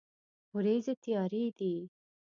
ورېځې تیارې دي